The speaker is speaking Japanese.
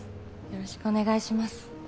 よろしくお願いします